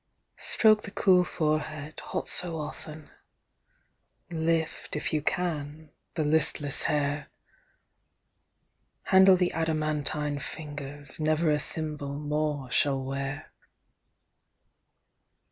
Stroke the cool forehead, hot so often, Lift, if you can, the listless hair; Handle the adamantine fingers Never a thimble more shall wear.